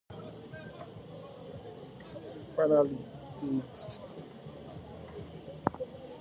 Finally a digital-to-analog converter to complete the output stage.